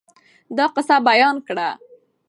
دا قصه بیان کړه.